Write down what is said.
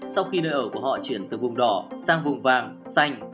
sau khi nơi ở của họ chuyển từ vùng đỏ sang vùng vàng xanh